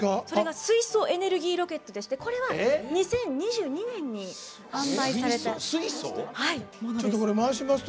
水素エネルギーロケットでしてこれは、２０２２年に販売された。